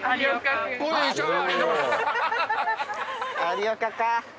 有岡か。